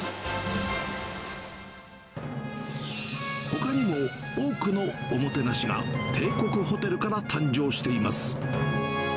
ほかにも、多くのおもてなしが帝国ホテルから誕生しています。